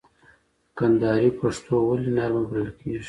کندهاري پښتو ولي نرمه بلل کېږي؟